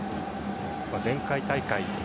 前回大会